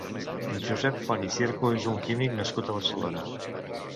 Josep Font i Cierco és un químic nascut a Barcelona.